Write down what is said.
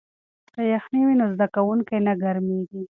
که یخنۍ وي نو زده کوونکی نه ګرمیږي.